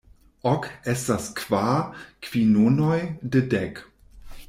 Ok estas kvar kvinonoj de dek.